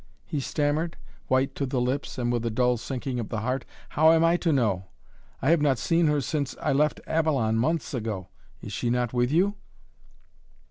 he stammered, white to the lips and with a dull sinking of the heart. "How am I to know? I have not seen her since I left Avalon months ago. Is she not with you?"